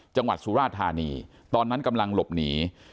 จังหวัดสุราธานีตอนนั้นกำลังหลบหนี